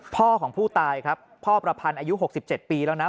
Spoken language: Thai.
พ่อของผู้ตายครับพ่อประพันธ์อายุ๖๗ปีแล้วนะ